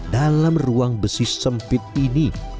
dalam ruang besi sempit ini